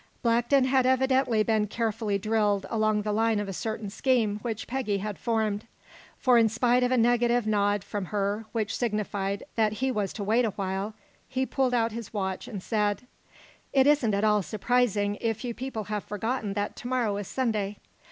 Blackton had evidently been carefully drilled along the line of a certain scheme which Peggy had formed, for in spite of a negative nod from her, which signified that he was to wait a while, he pulled out his watch, and said: "It isn't at all surprising if you people have forgotten that to morrow is Sunday.